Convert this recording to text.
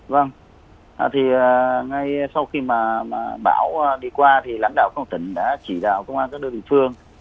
vâng thì ngay sau khi bão đi qua thì lãnh đạo công an tỉnh đã chỉ đạo công an các đứa địa phương